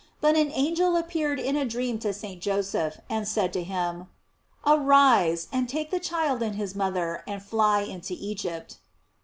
But an angel appeared in a dream to St. Joseph, and said to him:" Arise, and take the child and his mother, and fly into Egypt."